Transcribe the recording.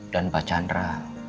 dan pak chandra